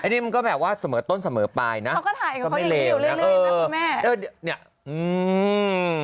นี่มันก็แบบว่าเสมอต้นเสมอปลายนะก็ไม่เลวนะเออนี่อืม